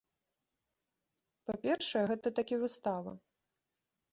Па-першае, гэта такі выстава.